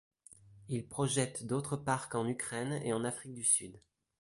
Il projette d'autres parcs en Ukraine et en Afrique du Sud.